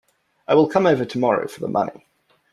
I will come over tomorrow for the money.